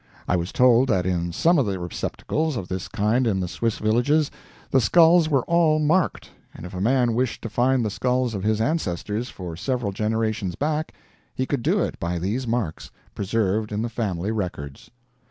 I was told that in some of the receptacles of this kind in the Swiss villages, the skulls were all marked, and if a man wished to find the skulls of his ancestors for several generations back, he could do it by these marks, preserved in the family records.